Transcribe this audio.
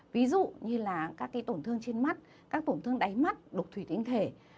ví dụ như là các tổn thương trên mắt các tổn thương đáy mắt đục thủy tinh thể